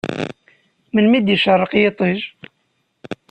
Melmi d-icerreq yiṭij?